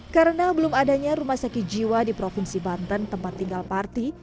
karena belum adanya rumah sakit jiwa di provinsi banten tempat tinggal parti